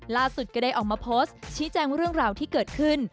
ก็ได้ออกมาโพสต์ชี้แจงเรื่องราวที่เกิดขึ้น